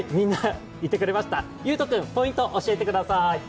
ゆうと君、ポイント教えてください